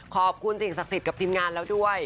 ขอบคุณสิ่งศักดิ์สิทธิ์กับทีมงานแล้วด้วย